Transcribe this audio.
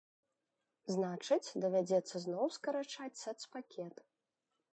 Значыць, давядзецца зноў скарачаць сацпакет.